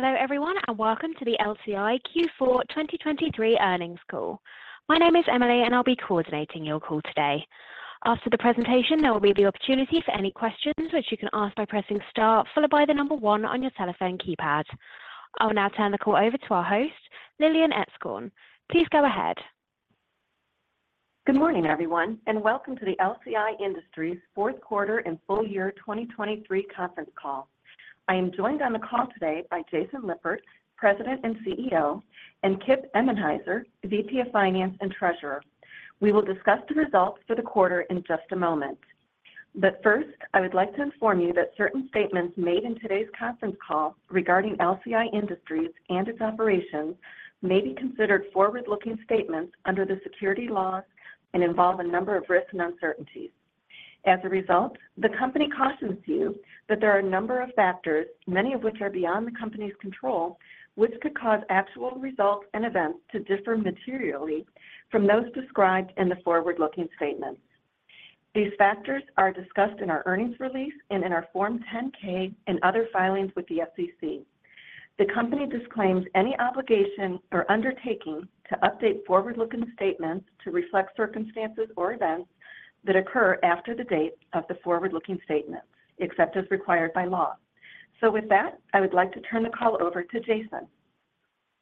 Hello everyone, and welcome to the LCI Q4 2023 earnings call. My name is Emily, and I'll be coordinating your call today. After the presentation, there will be the opportunity for any questions which you can ask by pressing star, followed by the number 1 on your telephone keypad. I'll now turn the call over to our host, Lillian Etzkorn. Please go ahead. Good morning everyone, and welcome to the LCI Industries' fourth quarter and full year 2023 conference call. I am joined on the call today by Jason Lippert, President and CEO, and Kip Emenhiser, VP of Finance and Treasurer. We will discuss the results for the quarter in just a moment. But first, I would like to inform you that certain statements made in today's conference call regarding LCI Industries and its operations may be considered forward-looking statements under the securities laws and involve a number of risks and uncertainties. As a result, the company cautions you that there are a number of factors, many of which are beyond the company's control, which could cause actual results and events to differ materially from those described in the forward-looking statements. These factors are discussed in our earnings release and in our Form 10-K and other filings with the SEC. The company disclaims any obligation or undertaking to update forward-looking statements to reflect circumstances or events that occur after the date of the forward-looking statements, except as required by law. With that, I would like to turn the call over to Jason.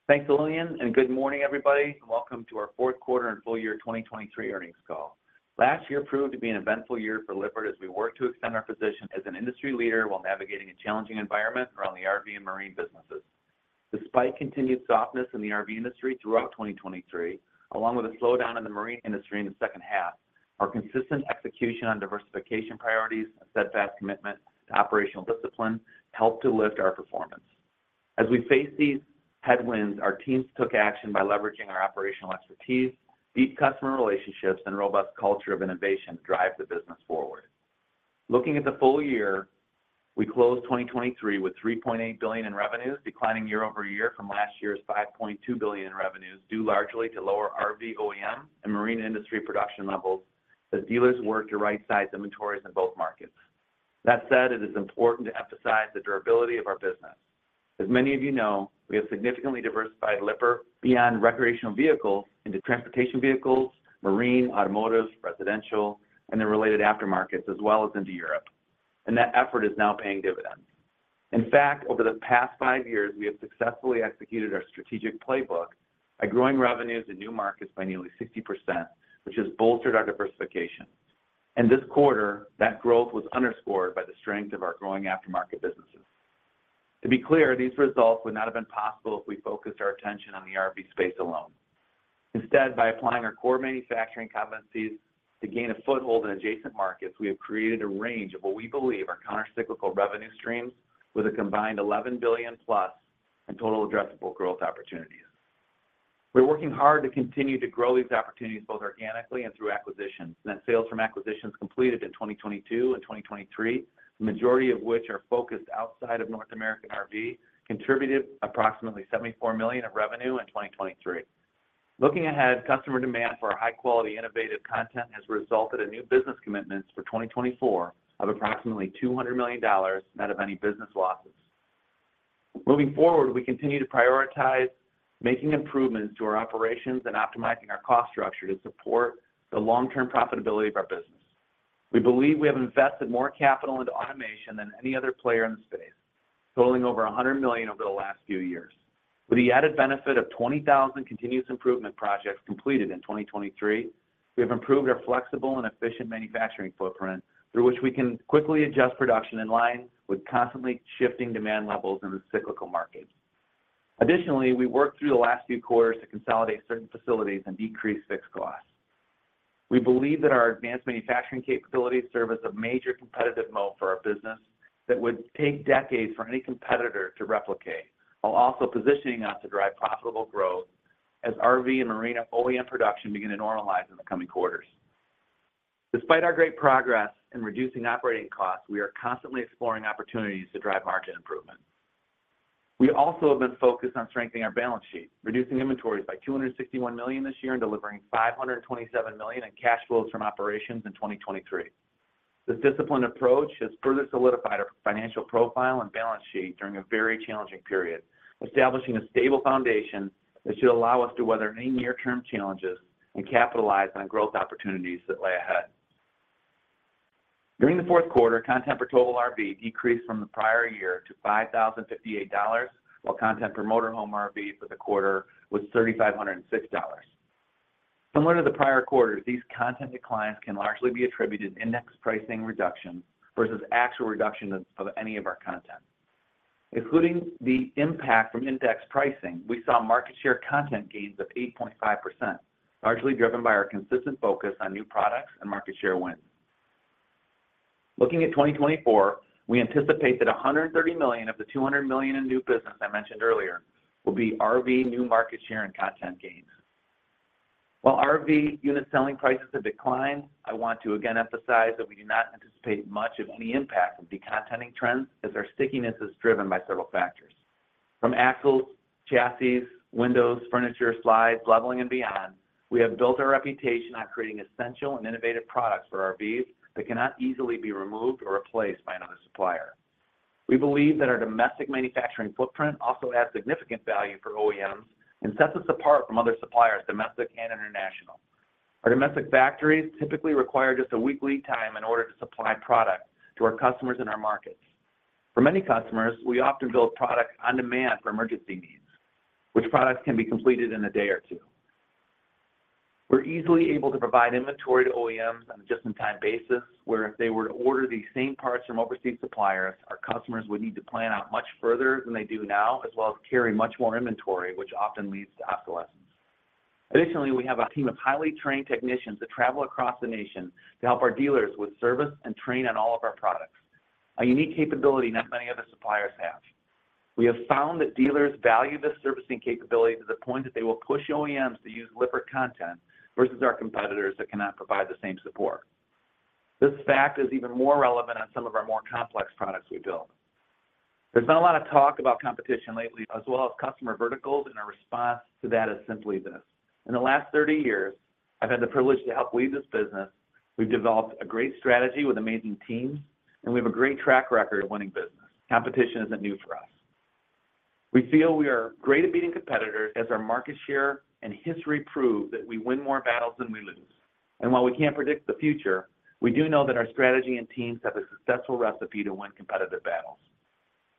Thanks, Lillian, and good morning everybody, and welcome to our fourth quarter and full year 2023 earnings call. Last year proved to be an eventful year for Lippert as we worked to extend our position as an industry leader while navigating a challenging environment around the RV and marine businesses. Despite continued softness in the RV industry throughout 2023, along with a slowdown in the marine industry in the second half, our consistent execution on diversification priorities and steadfast commitment to operational discipline helped to lift our performance. As we faced these headwinds, our teams took action by leveraging our operational expertise, deep customer relationships, and robust culture of innovation to drive the business forward. Looking at the full year, we closed 2023 with $3.8 billion in revenues, declining year-over-year from last year's $5.2 billion in revenues due largely to lower RV OEM and marine industry production levels as dealers worked to right-size inventories in both markets. That said, it is important to emphasize the durability of our business. As many of you know, we have significantly diversified Lippert beyond recreational vehicles into transportation vehicles, marine, automotive, residential, and the related aftermarkets, as well as into Europe. And that effort is now paying dividends. In fact, over the past five years, we have successfully executed our strategic playbook by growing revenues in new markets by nearly 60%, which has bolstered our diversification. And this quarter, that growth was underscored by the strength of our growing aftermarket businesses. To be clear, these results would not have been possible if we focused our attention on the RV space alone. Instead, by applying our core manufacturing competencies to gain a foothold in adjacent markets, we have created a range of what we believe are countercyclical revenue streams with a combined $11 billion+ in total addressable growth opportunities. We're working hard to continue to grow these opportunities both organically and through acquisitions. And that sales from acquisitions completed in 2022 and 2023, the majority of which are focused outside of North American RV, contributed approximately $74 million of revenue in 2023. Looking ahead, customer demand for high-quality, innovative content has resulted in new business commitments for 2024 of approximately $200 million, net of any business losses. Moving forward, we continue to prioritize making improvements to our operations and optimizing our cost structure to support the long-term profitability of our business. We believe we have invested more capital into automation than any other player in the space, totaling over $100 million over the last few years. With the added benefit of 20,000 continuous improvement projects completed in 2023, we have improved our flexible and efficient manufacturing footprint through which we can quickly adjust production in line with constantly shifting demand levels in the cyclical market. Additionally, we worked through the last few quarters to consolidate certain facilities and decrease fixed costs. We believe that our advanced manufacturing capabilities serve as a major competitive moat for our business that would take decades for any competitor to replicate, while also positioning us to drive profitable growth as RV and marine OEM production begin to normalize in the coming quarters. Despite our great progress in reducing operating costs, we are constantly exploring opportunities to drive margin improvement. We also have been focused on strengthening our balance sheet, reducing inventories by $261 million this year and delivering $527 million in cash flows from operations in 2023. This disciplined approach has further solidified our financial profile and balance sheet during a very challenging period, establishing a stable foundation that should allow us to weather any near-term challenges and capitalize on growth opportunities that lay ahead. During the fourth quarter, content per total RV decreased from the prior year to $5,058, while content per motorhome RV for the quarter was $3,506. Similar to the prior quarters, these content declines can largely be attributed to index pricing reductions versus actual reduction of any of our content. Excluding the impact from index pricing, we saw market share content gains of 8.5%, largely driven by our consistent focus on new products and market share wins. Looking at 2024, we anticipate that $130 million of the $200 million in new business I mentioned earlier will be RV new market share and content gains. While RV unit selling prices have declined, I want to again emphasize that we do not anticipate much of any impact on decontenting trends as our stickiness is driven by several factors. From axles, chassis, windows, furniture, slides, leveling, and beyond, we have built our reputation on creating essential and innovative products for RVs that cannot easily be removed or replaced by another supplier. We believe that our domestic manufacturing footprint also adds significant value for OEMs and sets us apart from other suppliers, domestic and international. Our domestic factories typically require just a week lead time in order to supply product to our customers in our markets. For many customers, we often build product on demand for emergency needs, which products can be completed in a day or two. We're easily able to provide inventory to OEMs on a just-in-time basis where, if they were to order the same parts from overseas suppliers, our customers would need to plan out much further than they do now, as well as carry much more inventory, which often leads to obsolescence. Additionally, we have a team of highly trained technicians that travel across the nation to help our dealers with service and train on all of our products, a unique capability not many other suppliers have. We have found that dealers value this servicing capability to the point that they will push OEMs to use Lippert content versus our competitors that cannot provide the same support. This fact is even more relevant on some of our more complex products we build. There's been a lot of talk about competition lately, as well as customer verticals, and our response to that is simply this. In the last 30 years, I've had the privilege to help lead this business. We've developed a great strategy with amazing teams, and we have a great track record of winning business. Competition isn't new for us. We feel we are great at beating competitors as our market share and history prove that we win more battles than we lose. And while we can't predict the future, we do know that our strategy and teams have a successful recipe to win competitive battles.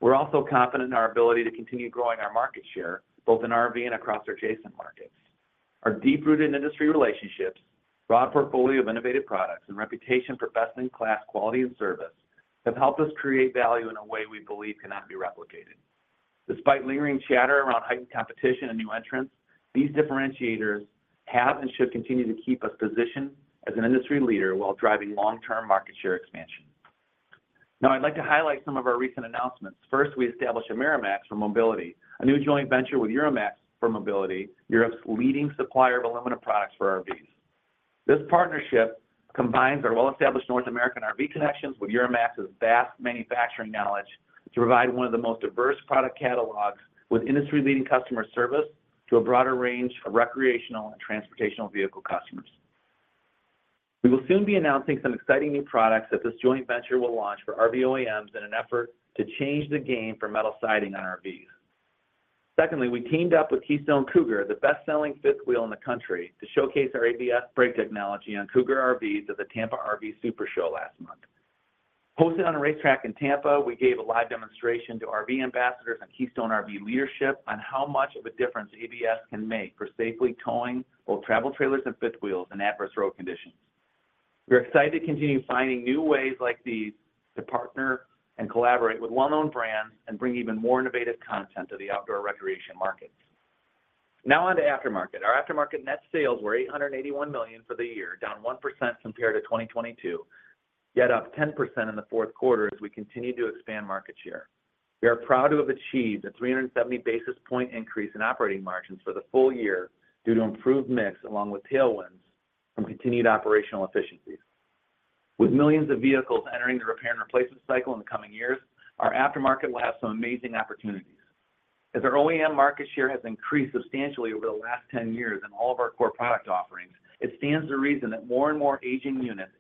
We're also confident in our ability to continue growing our market share both in RV and across adjacent markets. Our deep-rooted industry relationships, broad portfolio of innovative products, and reputation for best-in-class quality and service have helped us create value in a way we believe cannot be replicated. Despite lingering chatter around heightened competition and new entrants, these differentiators have and should continue to keep us positioned as an industry leader while driving long-term market share expansion. Now, I'd like to highlight some of our recent announcements. First, we established Amerimax for Mobility, a new joint venture with Euramax for Mobility, Europe's leading supplier of aluminum products for RVs. This partnership combines our well-established North American RV connections with Euramax's vast manufacturing knowledge to provide one of the most diverse product catalogs with industry-leading customer service to a broader range of recreational and transportational vehicle customers. We will soon be announcing some exciting new products that this joint venture will launch for RV OEMs in an effort to change the game for metal siding on RVs. Secondly, we teamed up with Keystone Cougar, the best-selling fifth wheel in the country, to showcase our ABS brake technology on Cougar RVs at the Tampa RV SuperShow last month. Hosted on a racetrack in Tampa, we gave a live demonstration to RV ambassadors and Keystone RV leadership on how much of a difference ABS can make for safely towing both travel trailers and fifth wheels in adverse road conditions. We're excited to continue finding new ways like these to partner and collaborate with well-known brands and bring even more innovative content to the outdoor recreation markets. Now on to aftermarket. Our aftermarket net sales were $881 million for the year, down 1% compared to 2022, yet up 10% in the fourth quarter as we continue to expand market share. We are proud to have achieved a 370 basis point increase in operating margins for the full year due to improved mix along with tailwinds from continued operational efficiencies. With millions of vehicles entering the repair and replacement cycle in the coming years, our aftermarket will have some amazing opportunities. As our OEM market share has increased substantially over the last 10 years in all of our core product offerings, it stands to reason that more and more aging units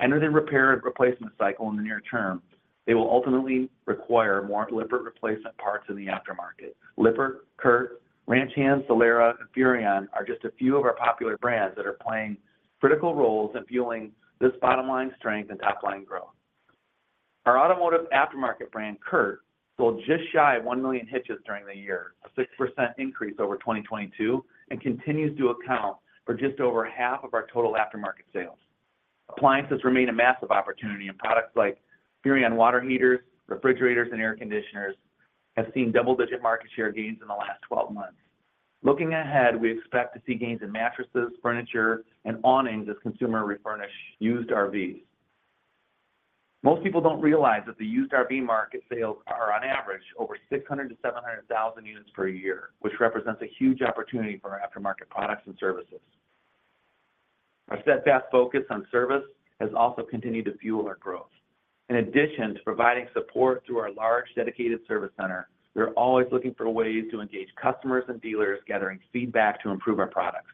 enter the repair and replacement cycle in the near term. They will ultimately require more Lippert replacement parts in the aftermarket. Lippert, CURT, Ranch Hand, Solera, and Furrion are just a few of our popular brands that are playing critical roles in fueling this bottom-line strength and top-line growth. Our automotive aftermarket brand, CURT, sold just shy of 1 million hitches during the year, a 6% increase over 2022, and continues to account for just over half of our total aftermarket sales. Appliances remain a massive opportunity, and products like Furrion water heaters, refrigerators, and air conditioners have seen double-digit market share gains in the last 12 months. Looking ahead, we expect to see gains in mattresses, furniture, and awnings as consumer refurbished used RVs. Most people don't realize that the used RV market sales are, on average, over 600,000-700,000 units per year, which represents a huge opportunity for our aftermarket products and services. Our steadfast focus on service has also continued to fuel our growth. In addition to providing support through our large dedicated service center, we're always looking for ways to engage customers and dealers, gathering feedback to improve our products.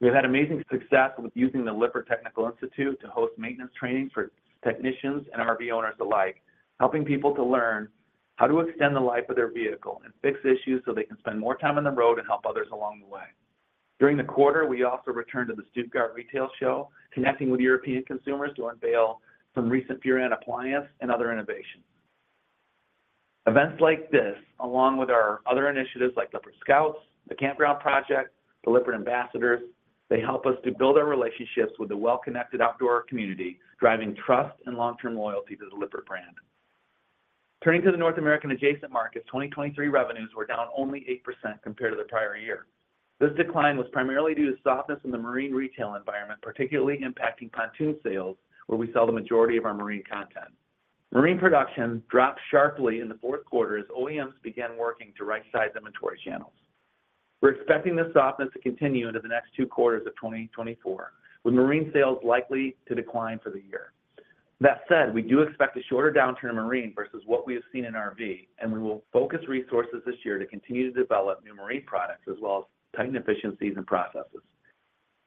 We have had amazing success with using the Lippert Technical Institute to host maintenance training for technicians and RV owners alike, helping people to learn how to extend the life of their vehicle and fix issues so they can spend more time on the road and help others along the way. During the quarter, we also returned to the Stuttgart Retail Show, connecting with European consumers to unveil some recent Furrion appliances and other innovations. Events like this, along with our other initiatives like Lippert Scouts, the Campground Project, the Lippert Ambassadors, help us to build our relationships with the well-connected outdoor community, driving trust and long-term loyalty to the Lippert brand. Turning to the North American adjacent markets, 2023 revenues were down only 8% compared to the prior year. This decline was primarily due to softness in the marine retail environment, particularly impacting pontoon sales, where we sell the majority of our marine content. Marine production dropped sharply in the fourth quarter as OEMs began working to right-size inventory channels. We're expecting this softness to continue into the next two quarters of 2024, with marine sales likely to decline for the year. That said, we do expect a shorter downturn in marine versus what we have seen in RV, and we will focus resources this year to continue to develop new marine products as well as tighten efficiencies and processes.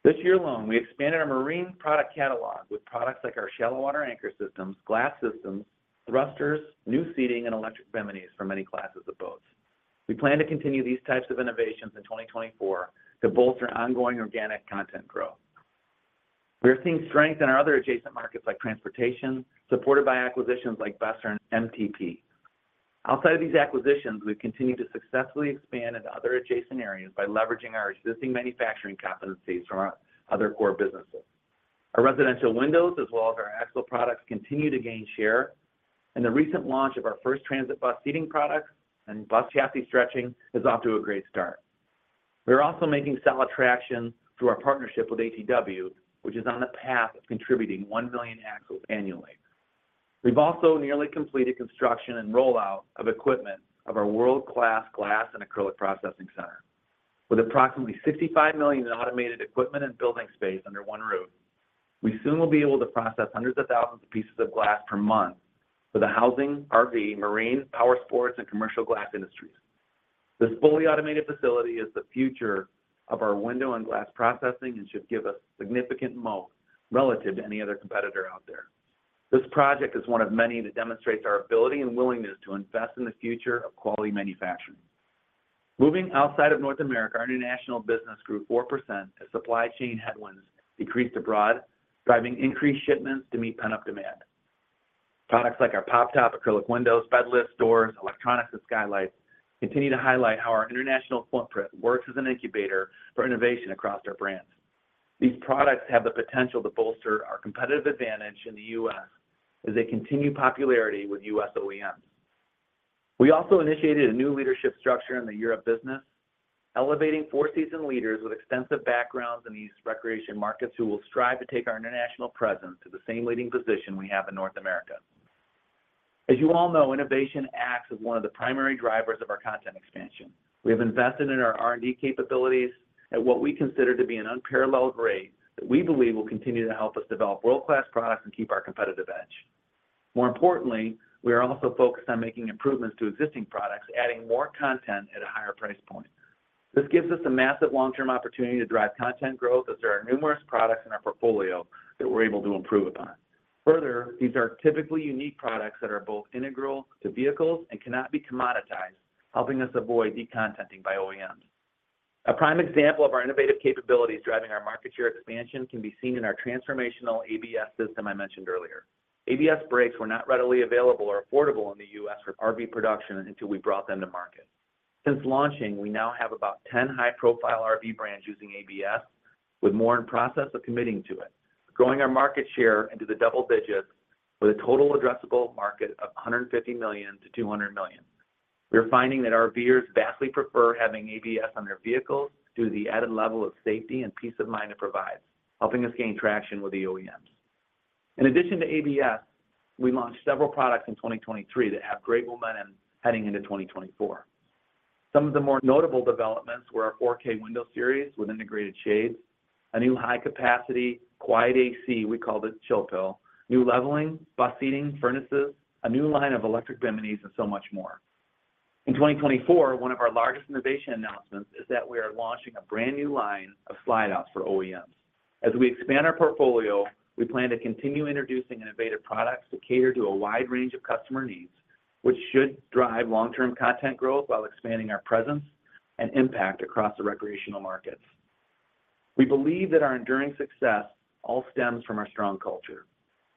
This year alone, we expanded our marine product catalog with products like our shallow-water anchor systems, glass systems, thrusters, new seating, and electric biminis for many classes of boats. We plan to continue these types of innovations in 2024 to bolster ongoing organic content growth. We are seeing strength in our other adjacent markets like transportation, supported by acquisitions like Besser and MTP. Outside of these acquisitions, we've continued to successfully expand into other adjacent areas by leveraging our existing manufacturing competencies from our other core businesses. Our residential windows, as well as our axle products, continue to gain share, and the recent launch of our first transit bus seating products and bus chassis stretching is off to a great start. We are also making solid traction through our partnership with ATW, which is on the path of contributing 1 million axles annually. We've also nearly completed construction and rollout of equipment of our world-class glass and acrylic processing center. With approximately $65 million in automated equipment and building space under one roof, we soon will be able to process hundreds of thousands of pieces of glass per month for the housing, RV, marine, power sports, and commercial glass industries. This fully automated facility is the future of our window and glass processing and should give us significant moat relative to any other competitor out there. This project is one of many that demonstrates our ability and willingness to invest in the future of quality manufacturing. Moving outside of North America, our international business grew 4% as supply chain headwinds decreased abroad, driving increased shipments to meet pent-up demand. Products like our pop-top acrylic windows, bed lifts, doors, electronics, and skylights continue to highlight how our international footprint works as an incubator for innovation across our brands. These products have the potential to bolster our competitive advantage in the U.S. as they continue popularity with U.S. OEMs. We also initiated a new leadership structure in the Europe business, elevating four-season leaders with extensive backgrounds in these recreation markets who will strive to take our international presence to the same leading position we have in North America. As you all know, innovation acts as one of the primary drivers of our content expansion. We have invested in our R&D capabilities at what we consider to be an unparalleled rate that we believe will continue to help us develop world-class products and keep our competitive edge. More importantly, we are also focused on making improvements to existing products, adding more content at a higher price point. This gives us a massive long-term opportunity to drive content growth as there are numerous products in our portfolio that we're able to improve upon. Further, these are typically unique products that are both integral to vehicles and cannot be commoditized, helping us avoid decontenting by OEMs. A prime example of our innovative capabilities driving our market share expansion can be seen in our transformational ABS system I mentioned earlier. ABS brakes were not readily available or affordable in the U.S. for RV production until we brought them to market. Since launching, we now have about 10 high-profile RV brands using ABS, with more in process of committing to it, growing our market share into the double digits with a total addressable market of $150 million-$200 million. We are finding that RVers vastly prefer having ABS on their vehicles due to the added level of safety and peace of mind it provides, helping us gain traction with the OEMs. In addition to ABS, we launched several products in 2023 that have great momentum heading into 2024. Some of the more notable developments were our 4K window series with integrated shades, a new high-capacity quiet AC - we call it Chill Pill - new leveling, bus seating, furnaces, a new line of electric biminis, and so much more. In 2024, one of our largest innovation announcements is that we are launching a brand new line of slide-outs for OEMs. As we expand our portfolio, we plan to continue introducing innovative products to cater to a wide range of customer needs, which should drive long-term content growth while expanding our presence and impact across the recreational markets. We believe that our enduring success all stems from our strong culture.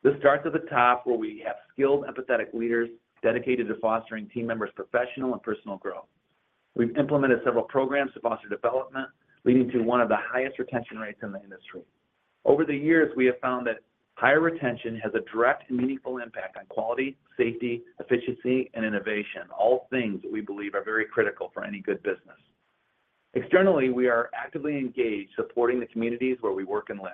This starts at the top where we have skilled, empathetic leaders dedicated to fostering team members' professional and personal growth. We've implemented several programs to foster development, leading to one of the highest retention rates in the industry. Over the years, we have found that higher retention has a direct and meaningful impact on quality, safety, efficiency, and innovation, all things that we believe are very critical for any good business. Externally, we are actively engaged supporting the communities where we work and live.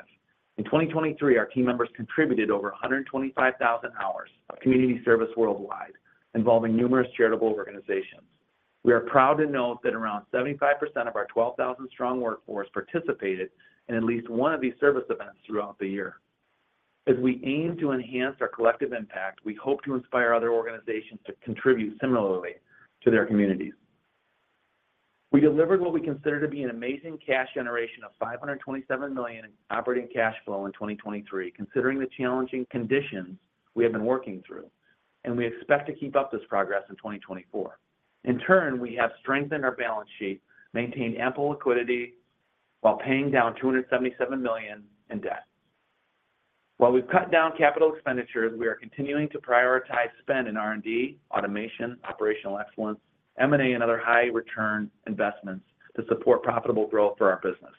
In 2023, our team members contributed over 125,000 hours of community service worldwide, involving numerous charitable organizations. We are proud to note that around 75% of our 12,000-strong workforce participated in at least one of these service events throughout the year. As we aim to enhance our collective impact, we hope to inspire other organizations to contribute similarly to their communities. We delivered what we consider to be an amazing cash generation of $527 million in operating cash flow in 2023, considering the challenging conditions we have been working through, and we expect to keep up this progress in 2024. In turn, we have strengthened our balance sheet, maintained ample liquidity while paying down $277 million in debt. While we've cut down capital expenditures, we are continuing to prioritize spend in R&D, automation, operational excellence, M&A, and other high-return investments to support profitable growth for our business.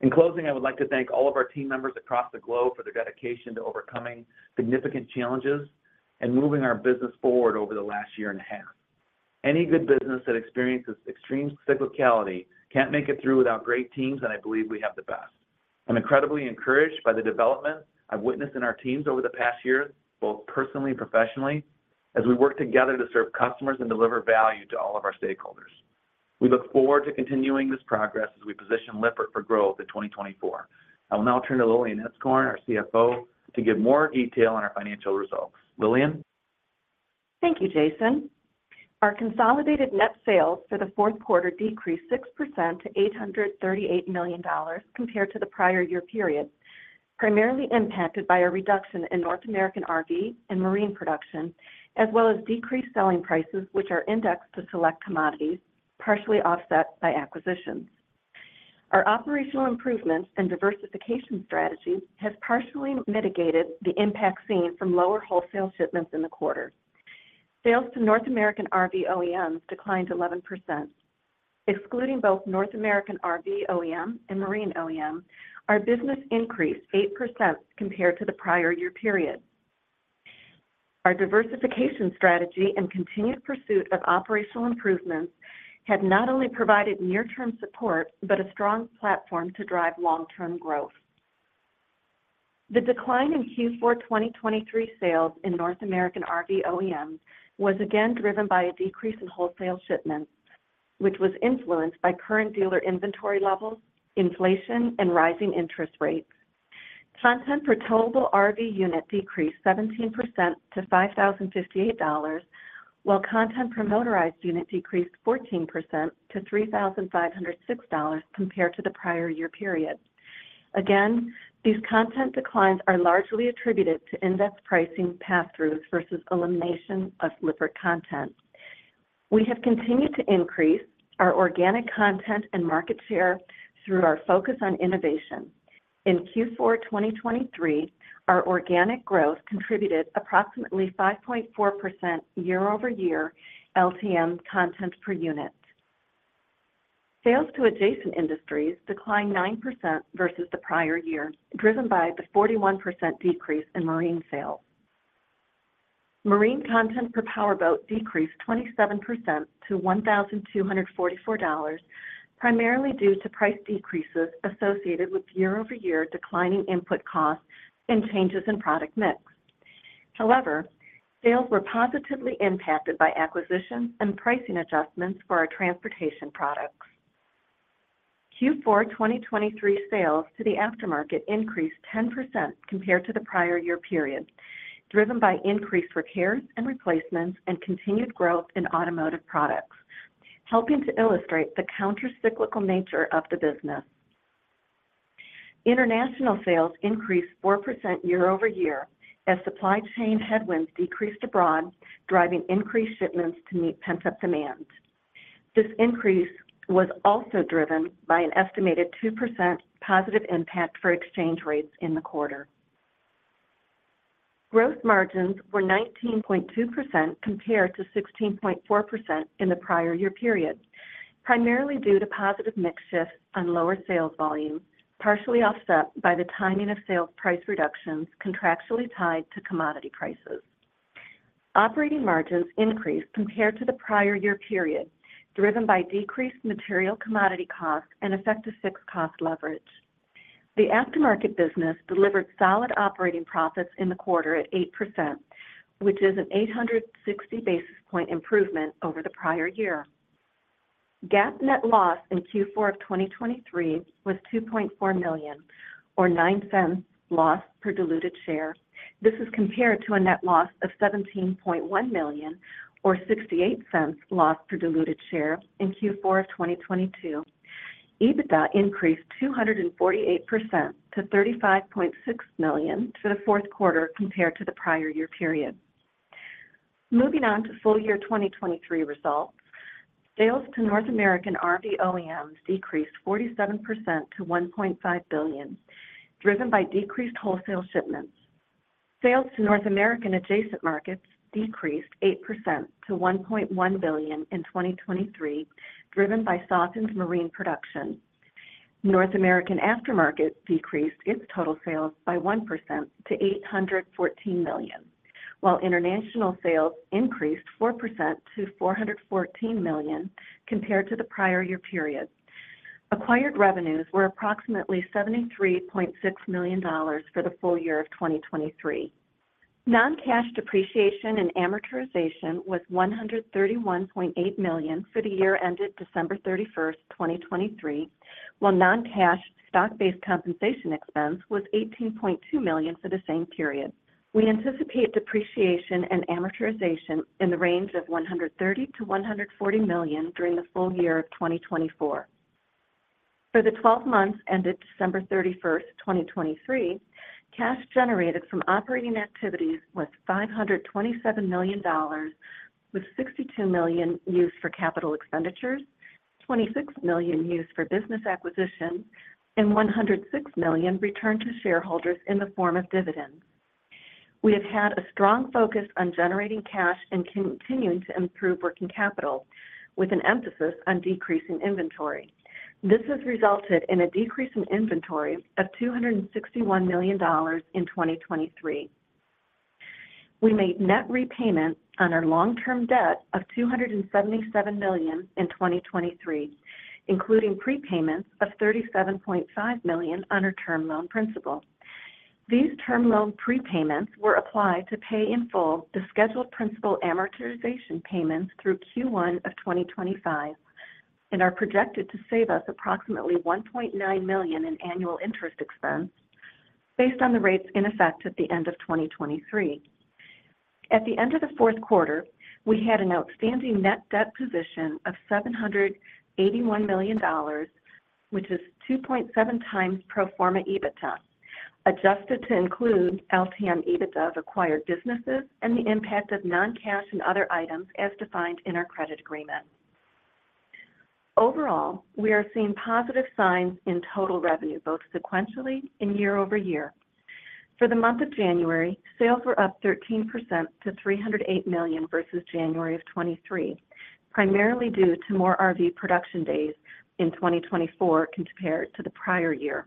In closing, I would like to thank all of our team members across the globe for their dedication to overcoming significant challenges and moving our business forward over the last year and a half. Any good business that experiences extreme cyclicality can't make it through without great teams, and I believe we have the best. I'm incredibly encouraged by the development I've witnessed in our teams over the past year, both personally and professionally, as we work together to serve customers and deliver value to all of our stakeholders. We look forward to continuing this progress as we position Lippert for growth in 2024. I will now turn to Lillian Etzkorn, our CFO, to give more detail on our financial results. Lillian? Thank you, Jason. Our consolidated net sales for the fourth quarter decreased 6% to $838 million compared to the prior year period, primarily impacted by a reduction in North American RV and marine production, as well as decreased selling prices, which are indexed to select commodities, partially offset by acquisitions. Our operational improvements and diversification strategy have partially mitigated the impact seen from lower wholesale shipments in the quarter. Sales to North American RV OEMs declined 11%. Excluding both North American RV OEM and marine OEM, our business increased 8% compared to the prior year period. Our diversification strategy and continued pursuit of operational improvements have not only provided near-term support but a strong platform to drive long-term growth. The decline in Q4 2023 sales in North American RV OEMs was again driven by a decrease in wholesale shipments, which was influenced by current dealer inventory levels, inflation, and rising interest rates. Content per towable RV unit decreased 17% to $5,058, while content per motorized unit decreased 14% to $3,506 compared to the prior year period. Again, these content declines are largely attributed to index pricing pass-throughs versus elimination of Lippert content. We have continued to increase our organic content and market share through our focus on innovation. In Q4 2023, our organic growth contributed approximately 5.4% year-over-year LTM content per unit. Sales to adjacent industries declined 9% versus the prior year, driven by the 41% decrease in marine sales. Marine content per power boat decreased 27% to $1,244, primarily due to price decreases associated with year-over-year declining input costs and changes in product mix. However, sales were positively impacted by acquisitions and pricing adjustments for our transportation products. Q4 2023 sales to the aftermarket increased 10% compared to the prior year period, driven by increased repairs and replacements and continued growth in automotive products, helping to illustrate the countercyclical nature of the business. International sales increased 4% year-over-year as supply chain headwinds decreased abroad, driving increased shipments to meet pent-up demand. This increase was also driven by an estimated 2% positive impact for exchange rates in the quarter. Gross margins were 19.2% compared to 16.4% in the prior year period, primarily due to positive mix shifts on lower sales volume, partially offset by the timing of sales price reductions contractually tied to commodity prices. Operating margins increased compared to the prior year period, driven by decreased material commodity costs and effective fixed cost leverage. The aftermarket business delivered solid operating profits in the quarter at 8%, which is an 860 basis point improvement over the prior year. GAAP net loss in Q4 of 2023 was $2.4 million, or $0.09 loss per diluted share. This is compared to a net loss of $17.1 million, or $0.68 loss per diluted share in Q4 of 2022. EBITDA increased 248% to $35.6 million for the fourth quarter compared to the prior year period. Moving on to full year 2023 results, sales to North American RV OEMs decreased 47% to $1.5 billion, driven by decreased wholesale shipments. Sales to North American adjacent markets decreased 8% to $1.1 billion in 2023, driven by softened marine production. North American aftermarket decreased its total sales by 1% to $814 million, while international sales increased 4% to $414 million compared to the prior year period. Acquired revenues were approximately $73.6 million for the full year of 2023. Non-cash depreciation and amortization was $131.8 million for the year ended December 31st, 2023, while non-cash stock-based compensation expense was $18.2 million for the same period. We anticipate depreciation and amortization in the range of $130 million-$140 million during the full year of 2024. For the 12 months ended December 31st, 2023, cash generated from operating activities was $527 million, with $62 million used for capital expenditures, $26 million used for business acquisitions, and $106 million returned to shareholders in the form of dividends. We have had a strong focus on generating cash and continuing to improve working capital, with an emphasis on decreasing inventory. This has resulted in a decrease in inventory of $261 million in 2023. We made net repayments on our long-term debt of $277 million in 2023, including prepayments of $37.5 million on our term loan principal. These term loan prepayments were applied to pay in full the scheduled principal amortization payments through Q1 of 2025 and are projected to save us approximately $1.9 million in annual interest expense based on the rates in effect at the end of 2023. At the end of the fourth quarter, we had an outstanding net debt position of $781 million, which is 2.7 times pro forma EBITDA, adjusted to include LTM EBITDA of acquired businesses and the impact of non-cash and other items as defined in our credit agreement. Overall, we are seeing positive signs in total revenue, both sequentially and year-over-year. For the month of January, sales were up 13% to $308 million versus January of 2023, primarily due to more RV production days in 2024 compared to the prior year.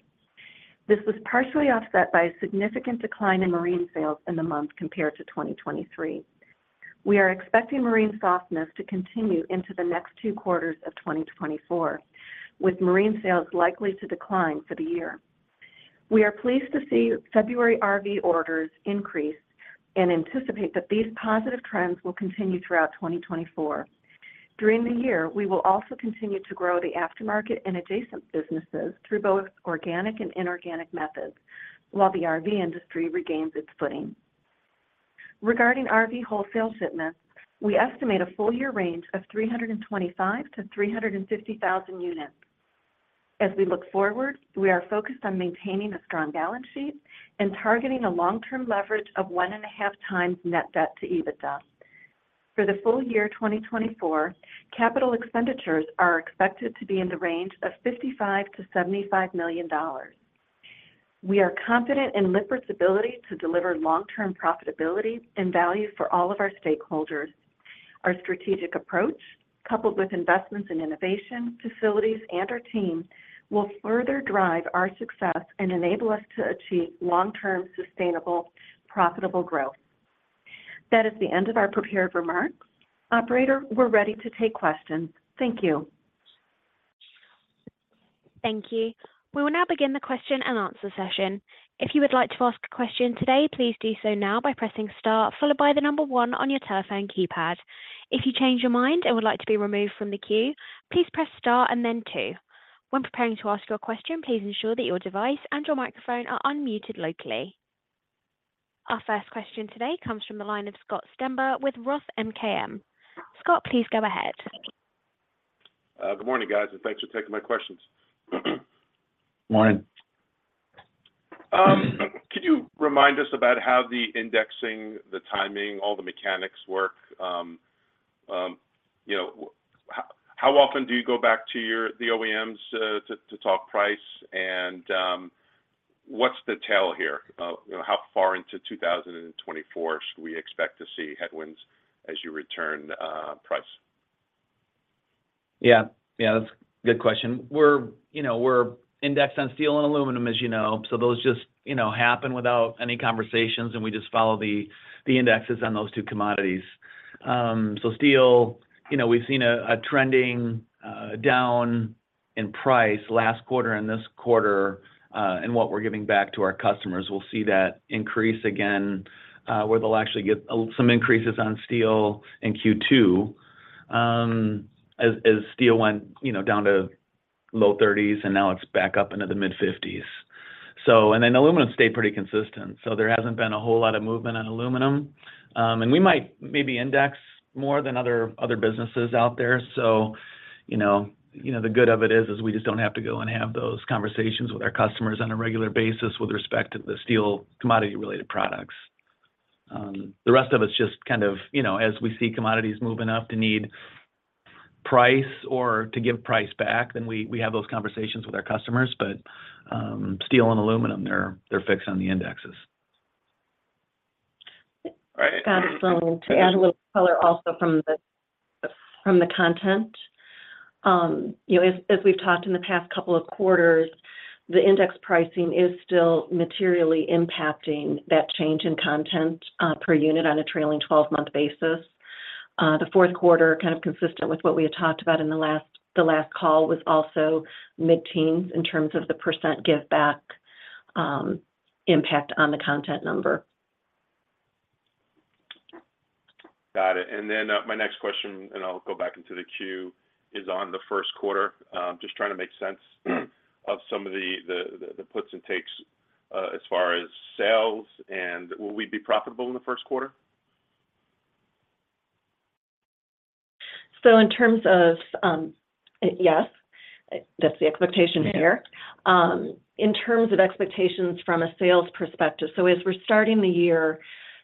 This was partially offset by a significant decline in marine sales in the month compared to 2023. We are expecting marine softness to continue into the next two quarters of 2024, with marine sales likely to decline for the year. We are pleased to see February RV orders increase and anticipate that these positive trends will continue throughout 2024. During the year, we will also continue to grow the aftermarket and adjacent businesses through both organic and inorganic methods while the RV industry regains its footing. Regarding RV wholesale shipments, we estimate a full year range of 325,000-350,000 units. As we look forward, we are focused on maintaining a strong balance sheet and targeting a long-term leverage of 1.5 times net debt to EBITDA. For the full year 2024, capital expenditures are expected to be in the range of $55 million-$75 million. We are confident in Lippert's ability to deliver long-term profitability and value for all of our stakeholders. Our strategic approach, coupled with investments in innovation, facilities, and our team, will further drive our success and enable us to achieve long-term, sustainable, profitable growth. That is the end of our prepared remarks. Operator, we're ready to take questions. Thank you. Thank you. We will now begin the question and answer session. If you would like to ask a question today, please do so now by pressing star followed by the number one on your telephone keypad. If you change your mind and would like to be removed from the queue, please press star and then two. When preparing to ask your question, please ensure that your device and your microphone are unmuted locally. Our first question today comes from the line of Scott Stember with Roth MKM. Scott, please go ahead. Good morning, guys, and thanks for taking my questions. Morning. Could you remind us about how the indexing, the timing, all the mechanics work? How often do you go back to the OEMs to talk price, and what's the tail here? How far into 2024 should we expect to see headwinds as you return price? Yeah. Yeah, that's a good question. We're indexed on steel and aluminum, as you know, so those just happen without any conversations, and we just follow the indexes on those two commodities. So steel, we've seen a trending down in price last quarter and this quarter, and what we're giving back to our customers. We'll see that increase again, where they'll actually get some increases on steel in Q2 as steel went down to low 30s and now it's back up into the mid 50s. And then aluminum stayed pretty consistent, so there hasn't been a whole lot of movement on aluminum. And we might maybe index more than other businesses out there. So the good of it is is we just don't have to go and have those conversations with our customers on a regular basis with respect to the steel commodity-related products. The rest of it's just kind of as we see commodities move enough to need price or to give price back, then we have those conversations with our customers. But steel and aluminum, they're fixed on the indexes. All right. Got us going to add a little color also from the content. As we've talked in the past couple of quarters, the index pricing is still materially impacting that change in content per unit on a trailing 12-month basis. The fourth quarter, kind of consistent with what we had talked about in the last call, was also mid-teens in terms of the percent give-back impact on the content number. Got it. Then my next question, and I'll go back into the queue, is on the first quarter, just trying to make sense of some of the puts and takes as far as sales. Will we be profitable in the first quarter? So in terms of yes, that's the expectation here. In terms of expectations from a sales perspective, so as we're starting the year,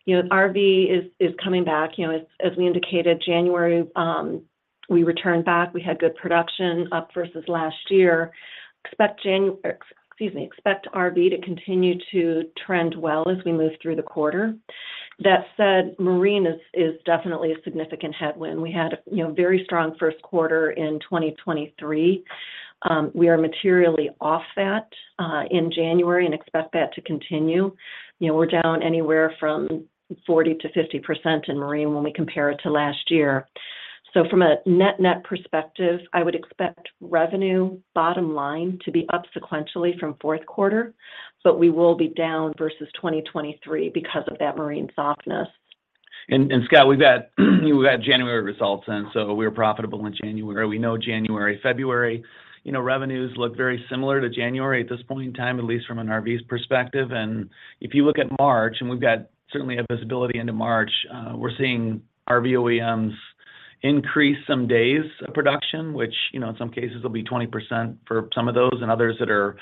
RV is coming back. As we indicated, January, we returned back. We had good production up versus last year. Expect RV to continue to trend well as we move through the quarter. That said, marine is definitely a significant headwind. We had a very strong first quarter in 2023. We are materially off that in January and expect that to continue. We're down anywhere from 40%-50% in marine when we compare it to last year. So from a net-net perspective, I would expect revenue bottom line to be up sequentially from fourth quarter, but we will be down versus 2023 because of that marine softness. Scott, we've got January results in, so we were profitable in January. We know January, February revenues look very similar to January at this point in time, at least from an RV's perspective. If you look at March, and we've got certainly a visibility into March, we're seeing RV OEMs increase some days of production, which in some cases will be 20% for some of those and others that are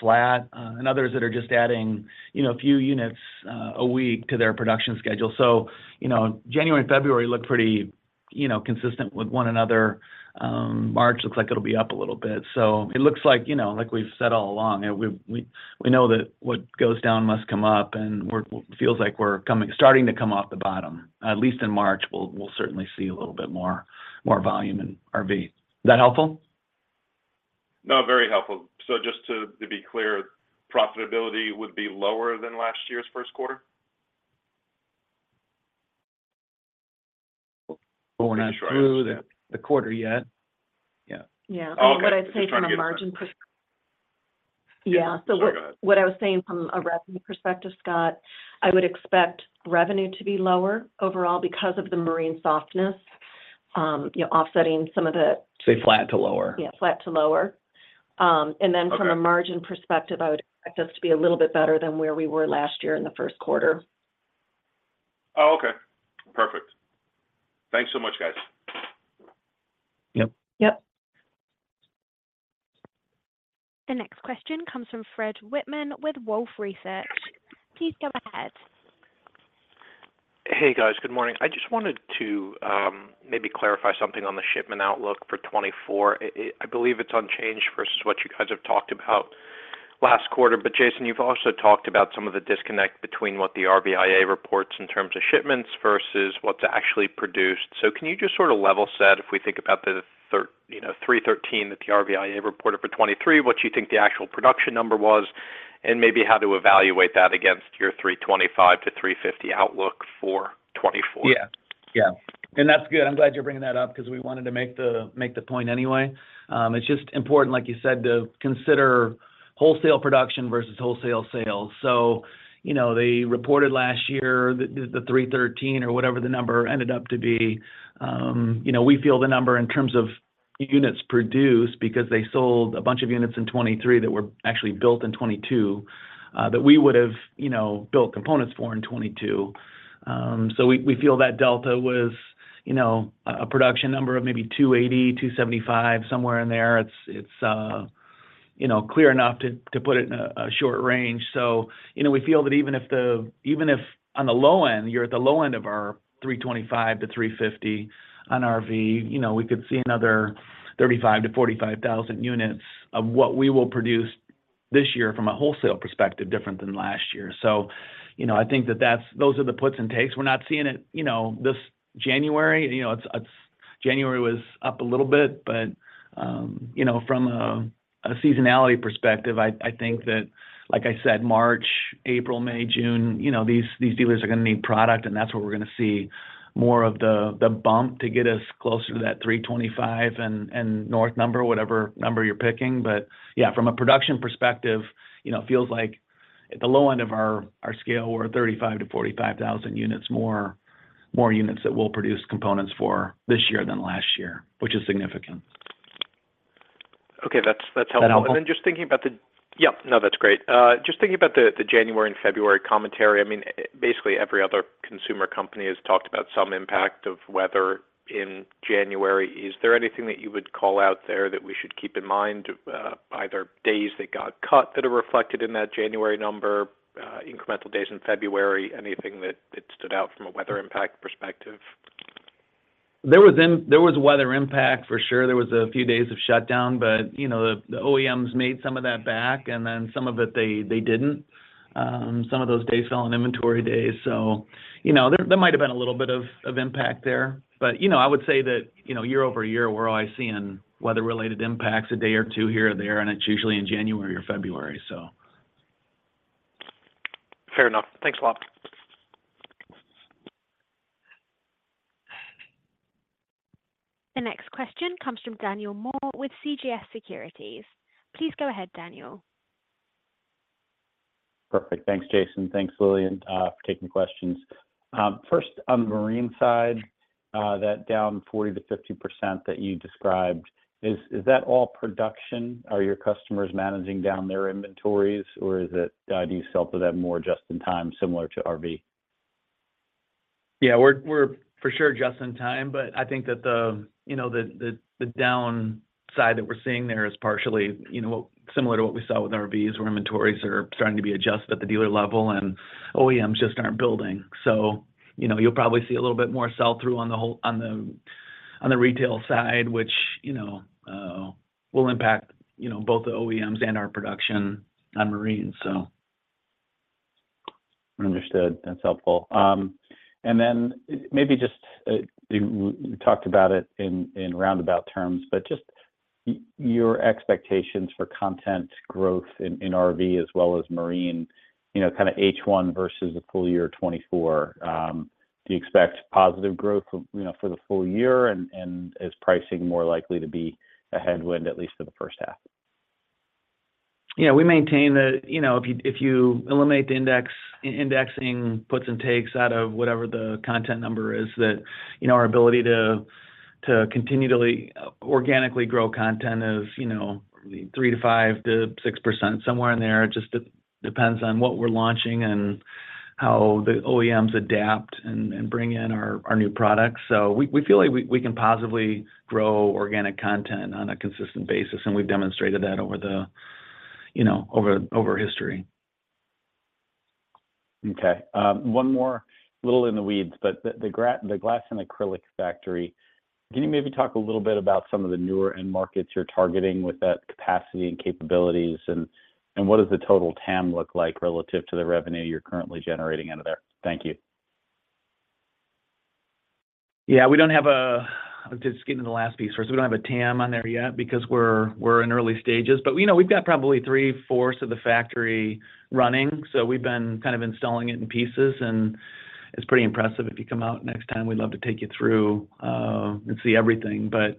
flat and others that are just adding a few units a week to their production schedule. January and February look pretty consistent with one another. March looks like it'll be up a little bit. It looks like, like we've said all along, we know that what goes down must come up, and it feels like we're starting to come off the bottom. At least in March, we'll certainly see a little bit more volume in RV. Is that helpful? No, very helpful. So just to be clear, profitability would be lower than last year's first quarter? Well, we're not through the quarter yet. Yeah. Yeah. What I'd say from a margin, yeah. So what I was saying from a revenue perspective, Scott, I would expect revenue to be lower overall because of the marine softness offsetting some of the. Say flat to lower. Yeah, flat to lower. And then from a margin perspective, I would expect us to be a little bit better than where we were last year in the first quarter. Oh, okay. Perfect. Thanks so much, guys. Yep. Yep. The next question comes from Fred Wightman with Wolfe Research. Please go ahead. Hey, guys. Good morning. I just wanted to maybe clarify something on the shipment outlook for 2024. I believe it's unchanged versus what you guys have talked about last quarter. But Jason, you've also talked about some of the disconnect between what the RVIA reports in terms of shipments versus what's actually produced. So can you just sort of level set, if we think about the 313 that the RVIA reported for 2023, what you think the actual production number was, and maybe how to evaluate that against your 325-350 outlook for 2024? Yeah. Yeah. That's good. I'm glad you're bringing that up because we wanted to make the point anyway. It's just important, like you said, to consider wholesale production versus wholesale sales. So they reported last year the 313 or whatever the number ended up to be. We feel the number in terms of units produced because they sold a bunch of units in 2023 that were actually built in 2022 that we would have built components for in 2022. So we feel that delta was a production number of maybe 280, 275, somewhere in there. It's clear enough to put it in a short range. So we feel that even if on the low end, you're at the low end of our 325-350 on RV, we could see another 35,000-45,000 units of what we will produce this year from a wholesale perspective different than last year. So I think that those are the puts and takes. We're not seeing it this January. January was up a little bit. But from a seasonality perspective, I think that, like I said, March, April, May, June, these dealers are going to need product, and that's where we're going to see more of the bump to get us closer to that 325 and north number, whatever number you're picking. But yeah, from a production perspective, it feels like at the low end of our scale, we're 35,000-45,000 units, more units that will produce components for this year than last year, which is significant. Okay. That's helpful. That's great. Just thinking about the January and February commentary, I mean, basically, every other consumer company has talked about some impact of weather in January. Is there anything that you would call out there that we should keep in mind, either days that got cut that are reflected in that January number, incremental days in February, anything that stood out from a weather impact perspective? There was weather impact, for sure. There was a few days of shutdown, but the OEMs made some of that back, and then some of it, they didn't. Some of those days fell in inventory days. So there might have been a little bit of impact there. But I would say that year-over-year, we're only seeing weather-related impacts a day or two here or there, and it's usually in January or February, so. Fair enough. Thanks a lot. The next question comes from Daniel Moore with CJS Securities. Please go ahead, Daniel. Perfect. Thanks, Jason. Thanks, Lillian, for taking the questions. First, on the marine side, that down 40%-50% that you described, is that all production? Are your customers managing down their inventories, or do you sell to them more just-in-time, similar to RV? Yeah, we're for sure just-in-time, but I think that the downside that we're seeing there is partially similar to what we saw with RVs, where inventories are starting to be adjusted at the dealer level, and OEMs just aren't building. So you'll probably see a little bit more sell-through on the retail side, which will impact both the OEMs and our production on marine, so. Understood. That's helpful. And then maybe just you talked about it in roundabout terms, but just your expectations for content growth in RV as well as marine, kind of H1 versus the full year 2024, do you expect positive growth for the full year and is pricing more likely to be a headwind, at least for the first half? Yeah, we maintain that if you eliminate the indexing puts and takes out of whatever the content number is, that our ability to continue to organically grow content is 3% to 5% to 6%, somewhere in there. It just depends on what we're launching and how the OEMs adapt and bring in our new products. So we feel like we can positively grow organic content on a consistent basis, and we've demonstrated that over history. Okay. One more little in the weeds, but the glass and acrylic factory, can you maybe talk a little bit about some of the newer end markets you're targeting with that capacity and capabilities, and what does the total TAM look like relative to the revenue you're currently generating out of there? Thank you. Yeah, we don't have a just getting to the last piece first. We don't have a TAM on there yet because we're in early stages. But we've got probably three-fourths of the factory running, so we've been kind of installing it in pieces, and it's pretty impressive. If you come out next time, we'd love to take you through and see everything. But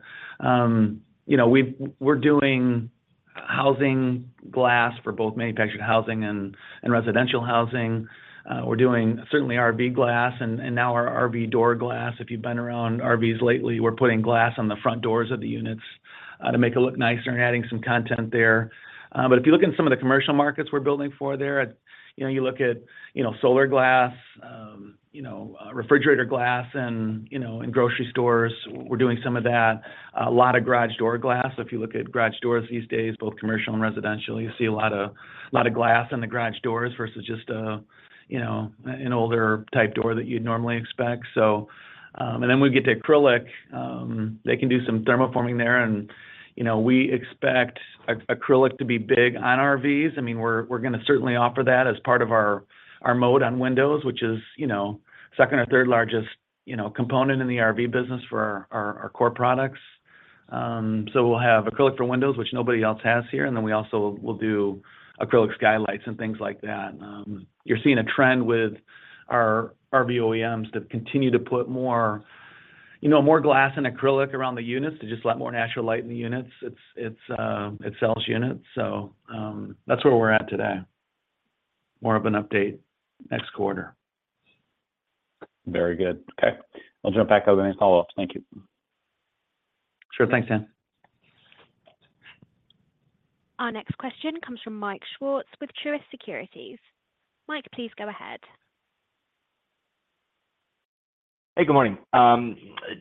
we're doing housing glass for both manufactured housing and residential housing. We're doing certainly RV glass and now our RV door glass. If you've been around RVs lately, we're putting glass on the front doors of the units to make it look nicer and adding some content there. But if you look in some of the commercial markets we're building for there, you look at solar glass, refrigerator glass in grocery stores, we're doing some of that. A lot of garage door glass. So if you look at garage doors these days, both commercial and residential, you see a lot of glass in the garage doors versus just an older type door that you'd normally expect. And then we get to acrylic. They can do some thermoforming there, and we expect acrylic to be big on RVs. I mean, we're going to certainly offer that as part of our line of windows, which is second or third largest component in the RV business for our core products. So we'll have acrylic for windows, which nobody else has here. And then we also will do acrylic skylights and things like that. You're seeing a trend with our RV OEMs to continue to put more glass and acrylic around the units to just let more natural light in the units. It sells units. So that's where we're at today. More of an update next quarter. Very good. Okay. I'll jump back over to any follow-ups. Thank you. Sure. Thanks, Dan. Our next question comes from Mike Swartz with Truist Securities. Mike, please go ahead. Hey, good morning.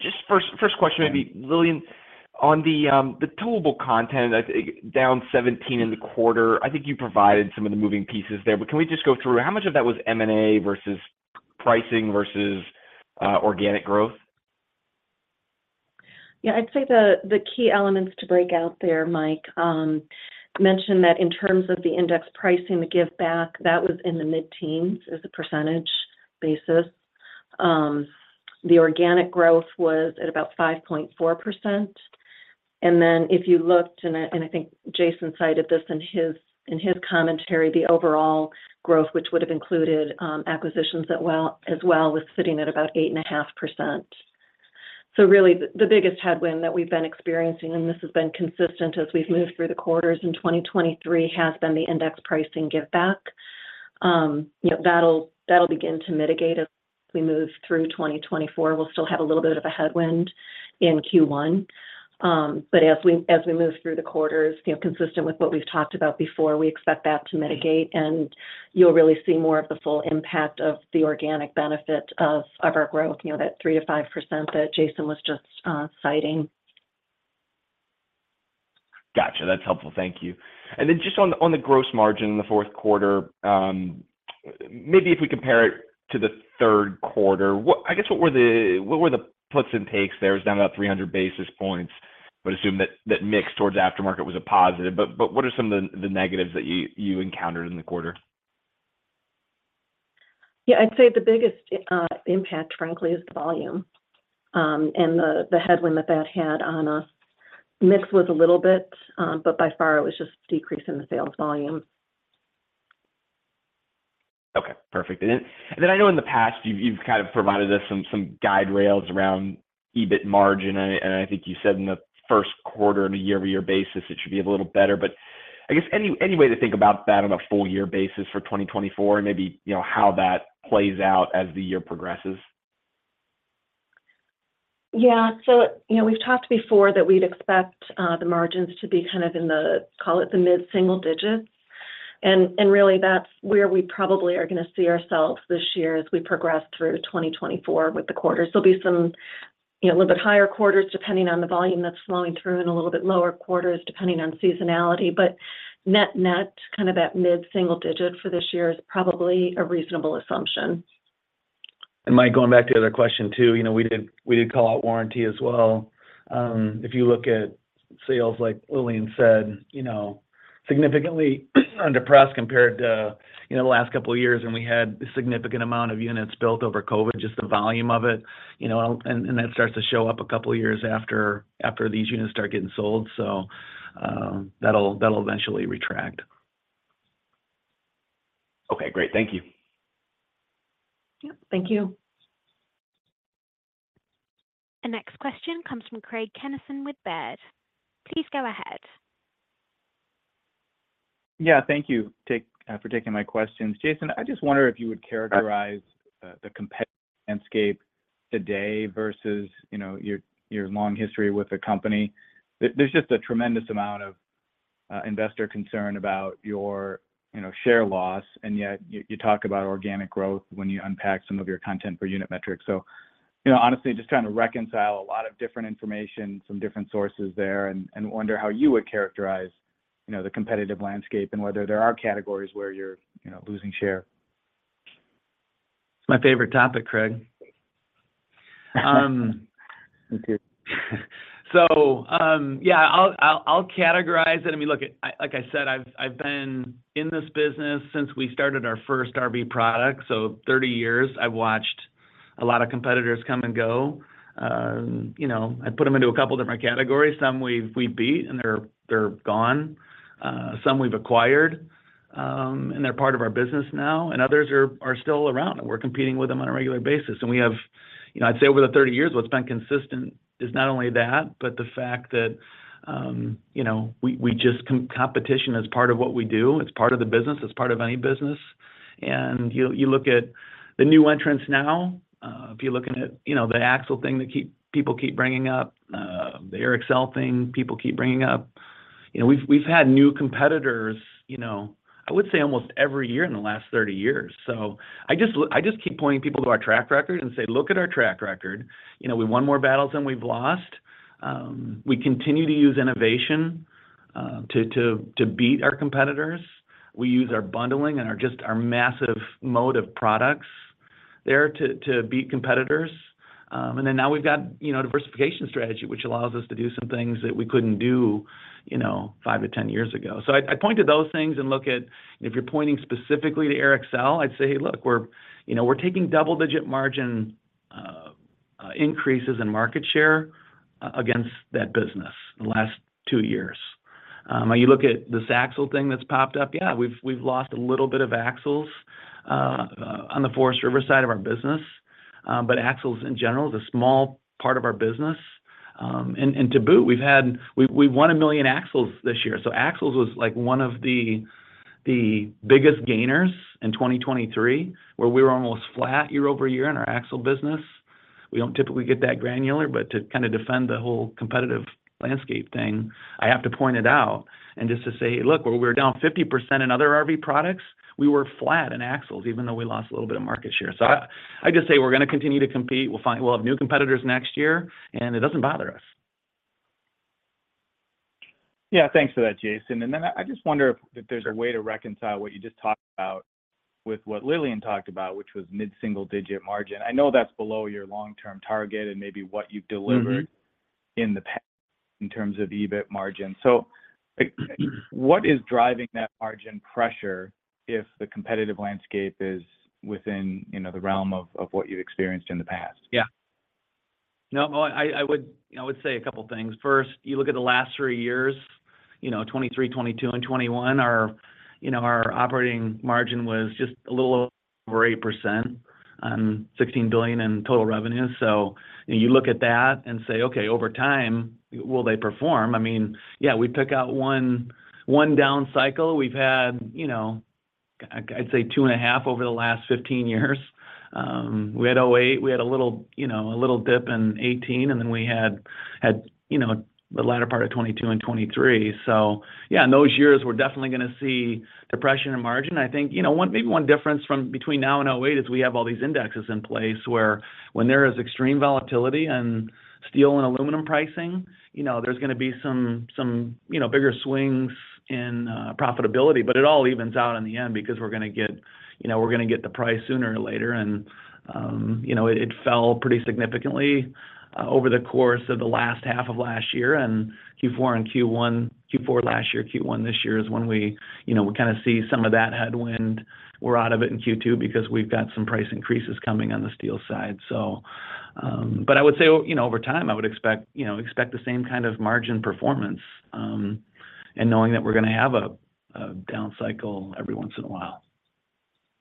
Just first question, maybe, Lillian, on the decontenting, down 17 in the quarter, I think you provided some of the moving pieces there, but can we just go through how much of that was M&A versus pricing versus organic growth? Yeah, I'd say the key elements to break out there, Mike mentioned that in terms of the index pricing, the give-back, that was in the mid-teens as a percentage basis. The organic growth was at about 5.4%. And then if you looked and I think Jason cited this in his commentary, the overall growth, which would have included acquisitions as well, was sitting at about 8.5%. So really, the biggest headwind that we've been experiencing, and this has been consistent as we've moved through the quarters in 2023, has been the index pricing give-back. That'll begin to mitigate as we move through 2024. We'll still have a little bit of a headwind in Q1. But as we move through the quarters, consistent with what we've talked about before, we expect that to mitigate, and you'll really see more of the full impact of the organic benefit of our growth, that 3%-5% that Jason was just citing. Gotcha. That's helpful. Thank you. And then just on the gross margin in the fourth quarter, maybe if we compare it to the third quarter, I guess what were the puts and takes there? It was down about 300 basis points, but assume that mix towards aftermarket was a positive. But what are some of the negatives that you encountered in the quarter? Yeah, I'd say the biggest impact, frankly, is the volume and the headwind that that had on us. Mix was a little bit, but by far, it was just decreasing the sales volume. Okay. Perfect. And then I know in the past, you've kind of provided us some guide rails around EBIT margin, and I think you said in the first quarter, on a year-over-year basis, it should be a little better. But I guess any way to think about that on a full-year basis for 2024 and maybe how that plays out as the year progresses? Yeah. So we've talked before that we'd expect the margins to be kind of in the—call it—the mid-single digits. And really, that's where we probably are going to see ourselves this year as we progress through 2024 with the quarters. There'll be some a little bit higher quarters depending on the volume that's flowing through and a little bit lower quarters depending on seasonality. But net, net, kind of that mid-single digit for this year is probably a reasonable assumption. Mike, going back to the other question too, we did call out warranty as well. If you look at sales, like Lillian said, significantly under pressure compared to the last couple of years, and we had a significant amount of units built over COVID, just the volume of it. That starts to show up a couple of years after these units start getting sold. That'll eventually retract. Okay. Great. Thank you. Yep. Thank you. The next question comes from Craig Kennison with Baird. Please go ahead. Yeah. Thank you for taking my questions. Jason, I just wonder if you would characterize the competitive landscape today versus your long history with the company. There's just a tremendous amount of investor concern about your share loss, and yet you talk about organic growth when you unpack some of your content per unit metrics. So honestly, just trying to reconcile a lot of different information, some different sources there, and wonder how you would characterize the competitive landscape and whether there are categories where you're losing share. It's my favorite topic, Craig. So yeah, I'll categorize it. I mean, look, like I said, I've been in this business since we started our first RV product, so 30 years. I've watched a lot of competitors come and go. I put them into a couple of different categories. Some we've beat, and they're gone. Some we've acquired, and they're part of our business now. And others are still around, and we're competing with them on a regular basis. And we have, I'd say, over the 30 years, what's been consistent is not only that, but the fact that we just competition is part of what we do. It's part of the business. It's part of any business. You look at the new entrants now, if you're looking at the axle thing that people keep bringing up, the Airxcel thing people keep bringing up, we've had new competitors, I would say, almost every year in the last 30 years. So I just keep pointing people to our track record and say, "Look at our track record. We won more battles than we've lost. We continue to use innovation to beat our competitors. We use our bundling and just our massive mode of products there to beat competitors. And then now we've got a diversification strategy, which allows us to do some things that we couldn't do 5-10 years ago." So I point to those things and look at if you're pointing specifically to Airxcel, I'd say, "Hey, look, we're taking double-digit margin increases in market share against that business in the last two years." Now, you look at this axles thing that's popped up, yeah, we've lost a little bit of axles on the Forest River side of our business. But axles, in general, is a small part of our business. And to boot, we've won 1 million axles this year. So axles was one of the biggest gainers in 2023, where we were almost flat year-over-year in our axles business. We don't typically get that granular, but to kind of defend the whole competitive landscape thing, I have to point it out and just to say, "Hey, look, where we were down 50% in other RV products, we were flat in axles, even though we lost a little bit of market share." So I just say we're going to continue to compete. We'll have new competitors next year, and it doesn't bother us. Yeah. Thanks for that, Jason. And then I just wonder if there's a way to reconcile what you just talked about with what Lillian talked about, which was mid-single digit margin. I know that's below your long-term target and maybe what you've delivered in the past in terms of EBIT margin. So what is driving that margin pressure if the competitive landscape is within the realm of what you've experienced in the past? Yeah. No, I would say a couple of things. First, you look at the last three years, 2023, 2022, and 2021, our operating margin was just a little over 8% on $16 billion in total revenue. So you look at that and say, "Okay, over time, will they perform?" I mean, yeah, we pick out one down cycle. We've had, I'd say, two and a half over the last 15 years. We had 2008. We had a little dip in 2018, and then we had the latter part of 2022 and 2023. So yeah, in those years, we're definitely going to see depression in margin. I think maybe one difference between now and 2008 is we have all these indexes in place where when there is extreme volatility in steel and aluminum pricing, there's going to be some bigger swings in profitability. But it all evens out in the end because we're going to get the price sooner or later. And it fell pretty significantly over the course of the last half of last year. And Q4 and Q1, Q4 last year, Q1 this year is when we kind of see some of that headwind. We're out of it in Q2 because we've got some price increases coming on the steel side. But I would say over time, I would expect the same kind of margin performance and knowing that we're going to have a down cycle every once in a while.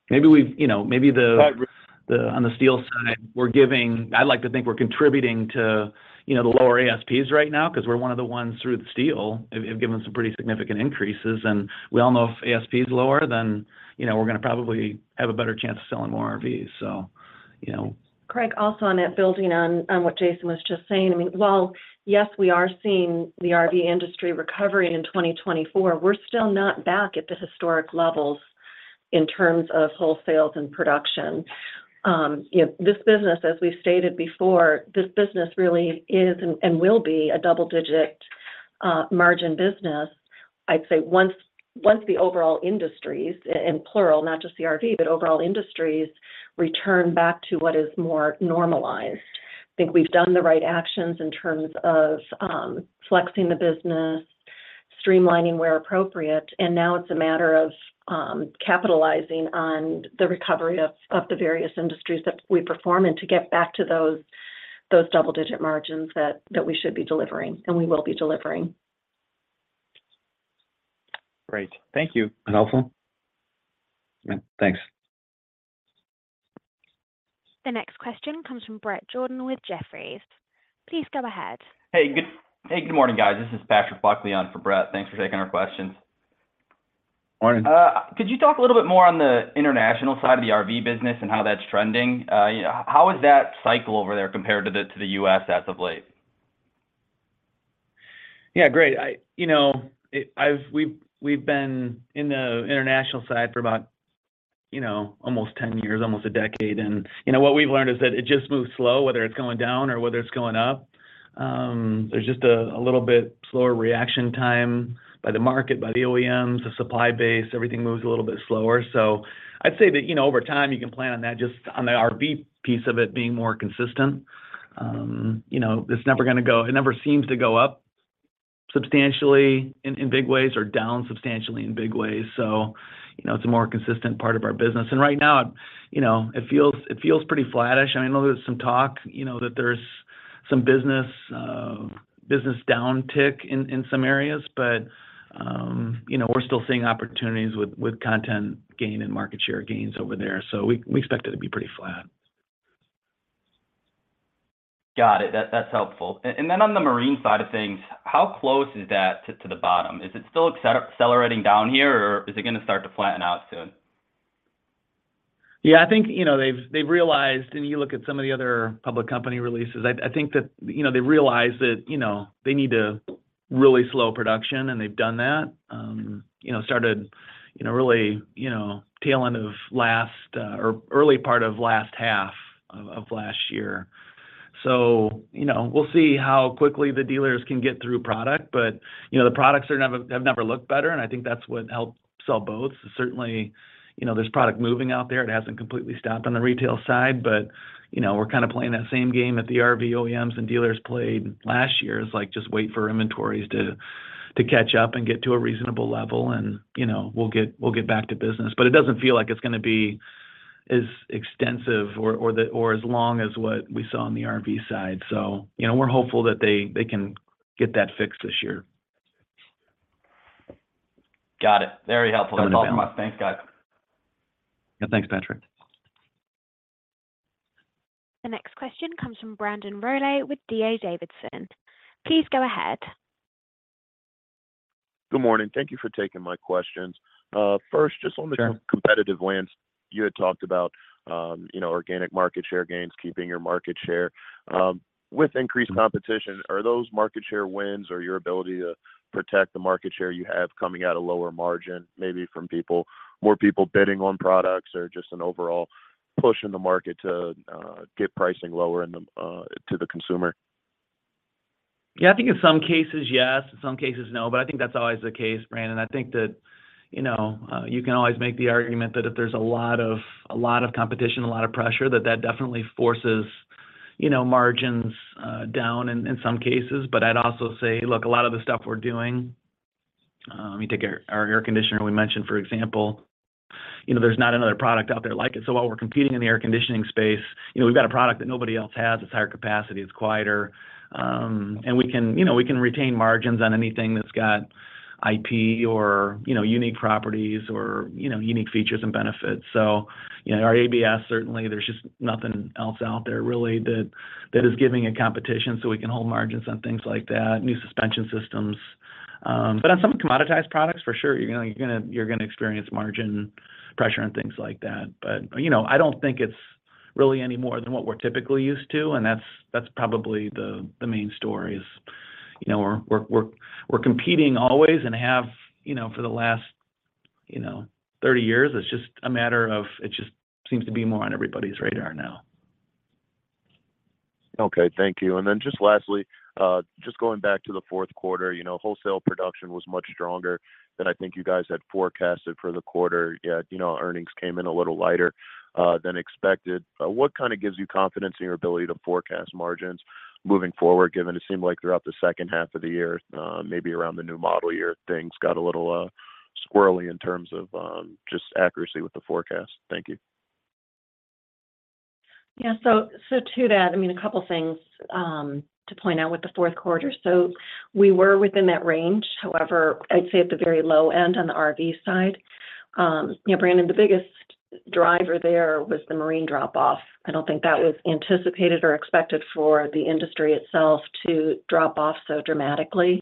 Maybe the on the steel side, I'd like to think we're contributing to the lower ASPs right now because we're one of the ones through the steel have given some pretty significant increases. We all know if ASP is lower, then we're going to probably have a better chance of selling more RVs, so. Craig, also on that, building on what Jason was just saying, I mean, while yes, we are seeing the RV industry recovering in 2024, we're still not back at the historic levels in terms of wholesales and production. This business, as we've stated before, this business really is and will be a double-digit margin business. I'd say once the overall industries in plural, not just the RV, but overall industries return back to what is more normalized, I think we've done the right actions in terms of flexing the business, streamlining where appropriate. And now it's a matter of capitalizing on the recovery of the various industries that we perform and to get back to those double-digit margins that we should be delivering, and we will be delivering. Great. Thank you. Helpful. Thanks. The next question comes from Brett Jordan with Jefferies. Please go ahead. Hey, good morning, guys. This is Patrick Buckley on for Brett. Thanks for taking our questions. Morning. Could you talk a little bit more on the international side of the RV business and how that's trending? How is that cycle over there compared to the U.S. as of late? Yeah, great. We've been in the international side for about almost 10 years, almost a decade. And what we've learned is that it just moves slow, whether it's going down or whether it's going up. There's just a little bit slower reaction time by the market, by the OEMs, the supply base. Everything moves a little bit slower. So I'd say that over time, you can plan on that, just on the RV piece of it being more consistent. It's never going to go. It never seems to go up substantially in big ways or down substantially in big ways. So it's a more consistent part of our business. And right now, it feels pretty flattish. I mean, I know there's some talk that there's some business downtick in some areas, but we're still seeing opportunities with content gain and market share gains over there. We expect it to be pretty flat. Got it. That's helpful. And then on the marine side of things, how close is that to the bottom? Is it still accelerating down here, or is it going to start to flatten out soon? Yeah, I think they've realized, and you look at some of the other public company releases. I think that they realize that they need to really slow production, and they've done that, started really tail end of last or early part of last half of last year. So we'll see how quickly the dealers can get through product. But the products have never looked better, and I think that's what helped sell boats. Certainly, there's product moving out there. It hasn't completely stopped on the retail side. But we're kind of playing that same game that the RV OEMs and dealers played last year, is just wait for inventories to catch up and get to a reasonable level, and we'll get back to business. But it doesn't feel like it's going to be as extensive or as long as what we saw on the RV side. So we're hopeful that they can get that fixed this year. Got it. Very helpful. That's all from us. Thanks, guys. Yeah, thanks, Patrick. The next question comes from Brandon Rolle with D.A. Davidson. Please go ahead. Good morning. Thank you for taking my questions. First, just on the competitive landscape, you had talked about organic market share gains, keeping your market share. With increased competition, are those market share wins or your ability to protect the market share you have coming out of lower margin, maybe from more people bidding on products or just an overall push in the market to get pricing lower to the consumer? Yeah, I think in some cases, yes. In some cases, no. But I think that's always the case, Brandon. I think that you can always make the argument that if there's a lot of competition, a lot of pressure, that that definitely forces margins down in some cases. But I'd also say, look, a lot of the stuff we're doing—you take our air conditioner we mentioned, for example, there's not another product out there like it. So while we're competing in the air conditioning space, we've got a product that nobody else has. It's higher capacity. It's quieter. And we can retain margins on anything that's got IP or unique properties or unique features and benefits. So our ABS, certainly, there's just nothing else out there, really, that is giving it competition so we can hold margins on things like that, new suspension systems. But on some commoditized products, for sure, you're going to experience margin pressure and things like that. But I don't think it's really any more than what we're typically used to. And that's probably the main story, is we're competing always and have for the last 30 years. It's just a matter of it just seems to be more on everybody's radar now. Okay. Thank you. And then just lastly, just going back to the fourth quarter, wholesale production was much stronger than I think you guys had forecasted for the quarter. Yeah, earnings came in a little lighter than expected. What kind of gives you confidence in your ability to forecast margins moving forward, given it seemed like throughout the second half of the year, maybe around the new model year, things got a little squirrely in terms of just accuracy with the forecast? Thank you. Yeah. So to that, I mean, a couple of things to point out with the fourth quarter. So we were within that range; however, I'd say at the very low end on the RV side. Brandon, the biggest driver there was the marine drop-off. I don't think that was anticipated or expected for the industry itself to drop off so dramatically.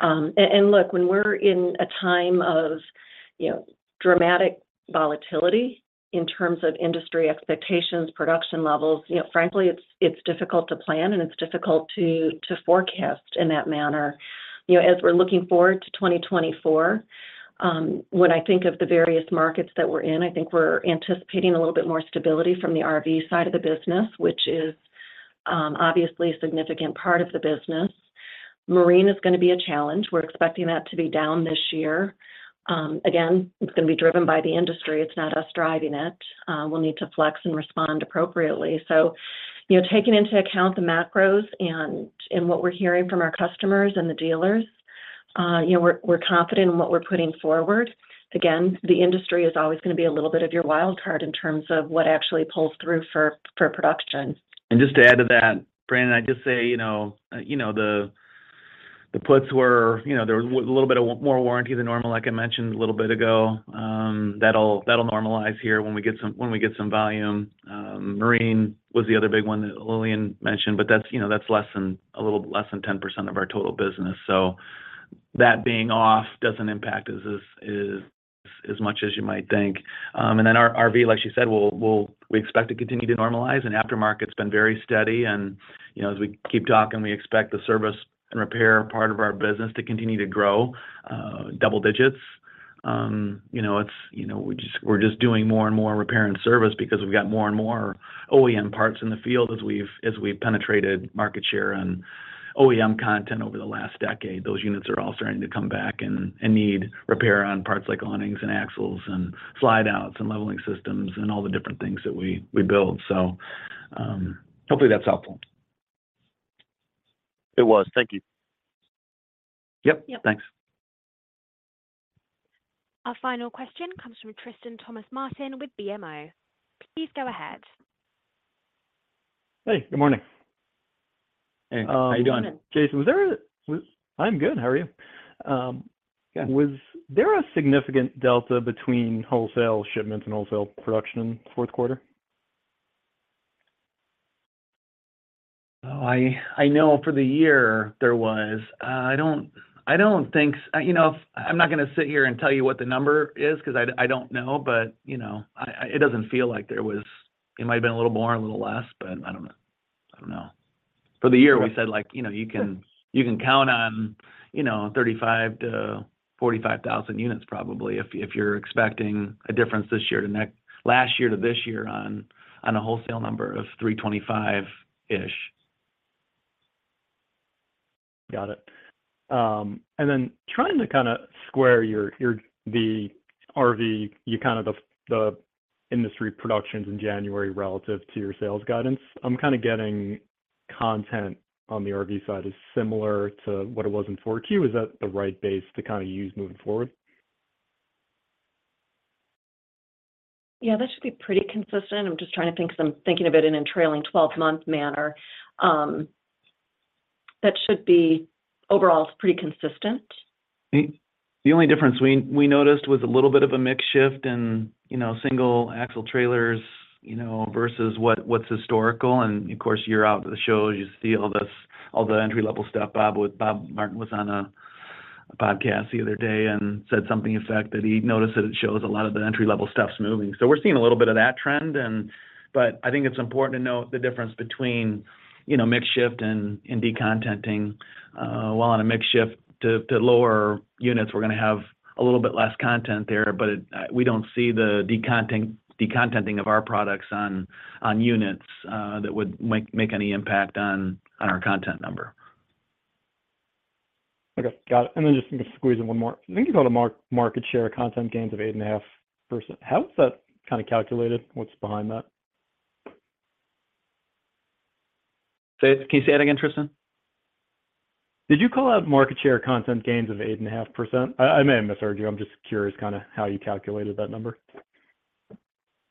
And look, when we're in a time of dramatic volatility in terms of industry expectations, production levels, frankly, it's difficult to plan, and it's difficult to forecast in that manner. As we're looking forward to 2024, when I think of the various markets that we're in, I think we're anticipating a little bit more stability from the RV side of the business, which is obviously a significant part of the business. Marine is going to be a challenge. We're expecting that to be down this year. Again, it's going to be driven by the industry. It's not us driving it. We'll need to flex and respond appropriately. So taking into account the macros and what we're hearing from our customers and the dealers, we're confident in what we're putting forward. Again, the industry is always going to be a little bit of your wild card in terms of what actually pulls through for production. And just to add to that, Brandon, I'd just say there was a little bit more warranty than normal, like I mentioned a little bit ago. That'll normalize here when we get some volume. Marine was the other big one that Lillian mentioned, but that's a little less than 10% of our total business. So that being off doesn't impact us as much as you might think. And then RV, like she said, we expect to continue to normalize. And aftermarket's been very steady. And as we keep talking, we expect the service and repair part of our business to continue to grow, double digits. We're just doing more and more repair and service because we've got more and more OEM parts in the field as we've penetrated market share and OEM content over the last decade. Those units are all starting to come back and need repair on parts like awnings and axles and slide-outs and leveling systems and all the different things that we build. Hopefully, that's helpful. It was. Thank you. Yep. Thanks. Our final question comes from Tristan Thomas-Martin with BMO. Please go ahead. Hey, good morning. Hey, how you doing, Jason? I'm good. How are you? Was there a significant delta between wholesale shipments and wholesale production in the fourth quarter? I know for the year there was. I don't think I'm not going to sit here and tell you what the number is because I don't know. But it doesn't feel like there was. It might have been a little more, a little less, but I don't know. I don't know. For the year, we said you can count on 35,000-45,000 units, probably, if you're expecting a difference this year to last year to this year on a wholesale number of 325-ish. Got it. And then trying to kind of square the RV, kind of the industry productions in January relative to your sales guidance, I'm kind of getting decontenting on the RV side is similar to what it was in 4Q. Is that the right basis to kind of use moving forward? Yeah, that should be pretty consistent. I'm just trying to think because I'm thinking of it in a trailing 12-month manner. That should be overall pretty consistent. The only difference we noticed was a little bit of a mix shift in single-axle trailers versus what's historical. And of course, you're out at the shows. You see all the entry-level stuff. Bob Martin was on a podcast the other day and said something to the effect that he noticed that it shows a lot of the entry-level stuff's moving. So we're seeing a little bit of that trend. But I think it's important to note the difference between mix shift and decontenting. While on a mix shift, to lower units, we're going to have a little bit less content there. But we don't see the decontenting of our products on units that would make any impact on our content number. Okay. Got it. And then just squeezing one more. I think you called it market share content gains of 8.5%. How is that kind of calculated? What's behind that? Can you say that again, Tristan? Did you call out market share content gains of 8.5%? I may have misheard you. I'm just curious kind of how you calculated that number.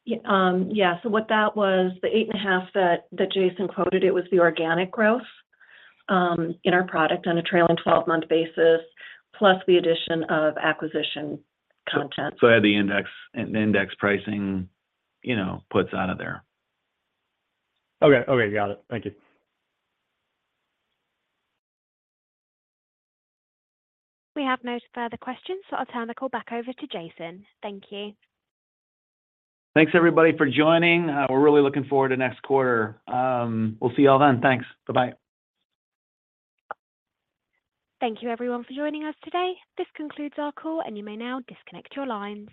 Yeah. So what that was, the 8.5 that Jason quoted, it was the organic growth in our product on a trailing 12-month basis, plus the addition of acquisition content. I had the index pricing puts out of there. Okay. Okay. Got it. Thank you. We have no further questions, so I'll turn the call back over to Jason. Thank you. Thanks, everybody, for joining. We're really looking forward to next quarter. We'll see you all then. Thanks. Bye-bye. Thank you, everyone, for joining us today. This concludes our call, and you may now disconnect your lines.